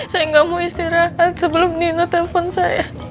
saya gak mau istirahat sebelum nino telepon saya